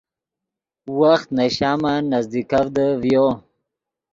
وخت نے شامن نزدیکڤدے ڤیو